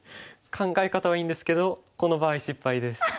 考え方はいいんですけどこの場合失敗です。